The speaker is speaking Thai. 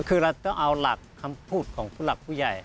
คือเราต้องเอาหลักคำพูดของผู้หลักผู้ใหญ่